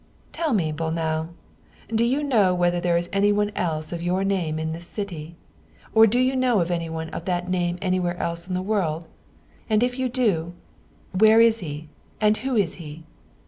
" Tell me, Bolnau, do you know whether there is anyone else of your name in this city ? Or do you know of anyone of that name anywhere else in the world? And if you do, where is he and who is he